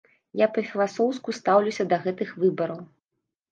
Я па-філасофску стаўлюся да гэтых выбараў.